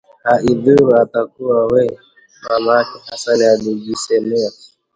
“Haidhuru, atakuwa wee!” mamake Hassan alijisemea